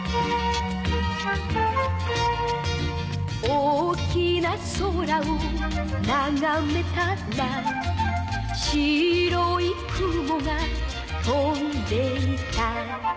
「大きな空をながめたら」「白い雲が飛んでいた」